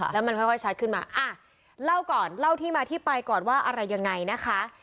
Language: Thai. แล้วมันค่อยชัดขึ้นมาเล่าก่อนเล่าที่มาที่ไปก่อนว่าอะไรยังไงนะคะ